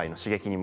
も